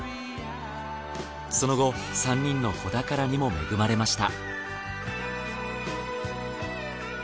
その後３人の子宝にも恵まれました。